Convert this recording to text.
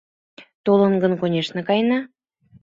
Толыт гын, конешне, каена.